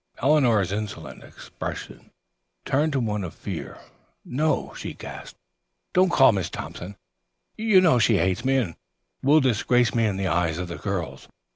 Eleanor's insolent expression turned to one of fear. "No," she gasped, "don't call Miss Thompson. You know she hates me, and will disgrace me in the eyes of the girls."